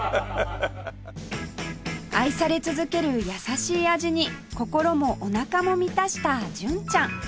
愛され続ける優しい味に心もおなかも満たした純ちゃん